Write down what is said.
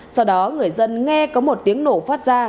sau đó người dân nghe có một tiếng nổ phát ra